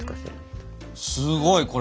すごい。